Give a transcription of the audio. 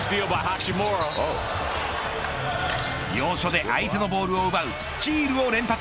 要所で相手のボールを奪うスチールを連発。